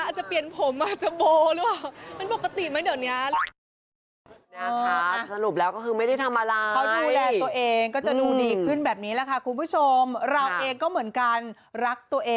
อาจจะเปลี่ยนผมอาจจะโบร์หรือเปล่า